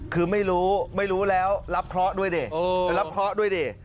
คือไม่รู้ไม่รู้แล้วรับเคราะห์ด้วย